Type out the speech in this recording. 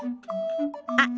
あっ